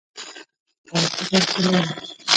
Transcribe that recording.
پۀ فکر کښې لاړم ـ